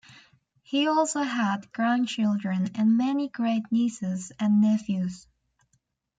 He also had grandchildren and many great-nieces and nephews.